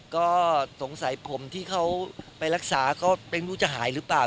ก็สงสัยผมที่เขาไปรักษาก็ไม่รู้จะหายหรือเปล่า